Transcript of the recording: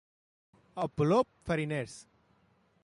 A Polop, fariners.